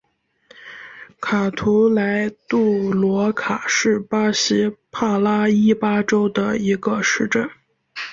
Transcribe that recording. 卡图莱杜罗卡是巴西帕拉伊巴州的一个市镇。